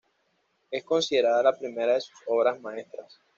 Es considerada la primera de sus obras maestras.